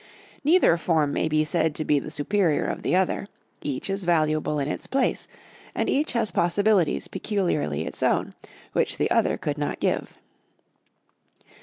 Neither form may be said to be the superior of the other. Each is valuable in its place, and each has possibilities peculiarly its own, which the other could not give.